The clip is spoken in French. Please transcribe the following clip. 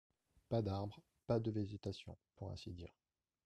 Pas d’arbres, pas de végétation, pour ainsi dire.